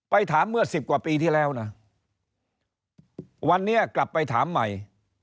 ถามเมื่อสิบกว่าปีที่แล้วนะวันนี้กลับไปถามใหม่